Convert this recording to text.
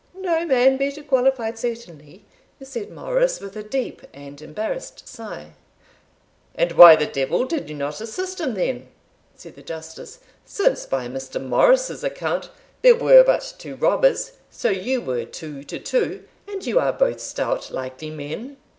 "No man better qualified, certainly," said Morris, with a deep and embarrassed sigh. "And why the devil did you not assist him, then," said the Justice, "since, by Mr. Morris's account, there were but two robbers; so you were two to two, and you are both stout likely men?"